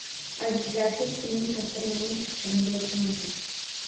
Azizlar hech kimning taqdiri mening taqdirimga o`xshamasin